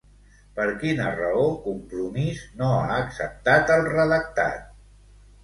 Per quina raó Compromís no ha acceptat el redactat?